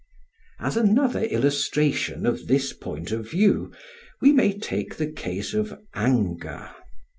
] As another illustration of this point of view, we may take the case of anger.